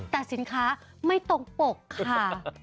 แต่สินค้าไม่ตรงปกค่ะ